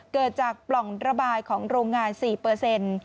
เกิดจากปล่องระบายของโรงงาน๔